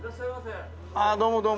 ああどうもどうも。